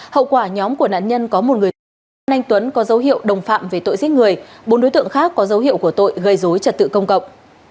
hậu quả nhóm của nạn nhân có một người anh tuấn có dấu hiệu đồng phạm về tội giết người bốn đối tượng khác có dấu hiệu của tội gây dối trật tự công cộng